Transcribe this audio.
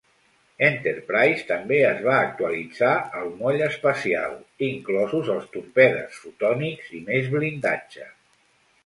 Enterprise també es va actualitzar al moll espacial, inclosos els torpedes "fotònics" i més blindatge.